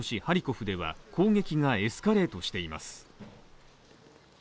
ハリコフでは攻撃がエスカレートしています。